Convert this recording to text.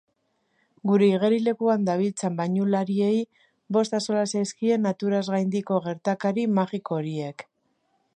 Gure igerilekuan dabiltzan bainulariei bost axola zaizkie naturaz gaindiko gertakari magiko horiek.